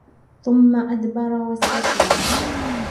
ثُمَّ أَدْبَرَ وَاسْتَكْبَرَ